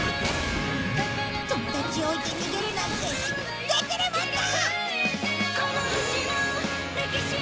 友達を置いて逃げるなんてできるもんか！